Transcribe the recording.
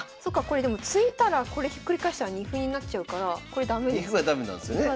これでも突いたらこれひっくり返したら二歩になっちゃうからこれ駄目ですね。